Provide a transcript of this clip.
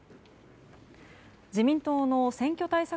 自民党の選挙対策